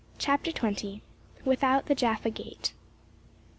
CHAPTER XX. WITHOUT THE JAFFA GATE.